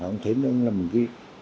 ông thấy ông ấy là một cái